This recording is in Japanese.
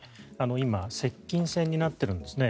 今接近戦になっているんですね。